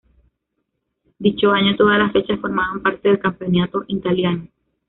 Dicho año, todas las fechas formaban parte del campeonato italiano.